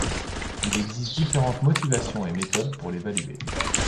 Il existe différentes motivations et méthodes pour l'évaluer.